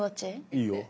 いいよ。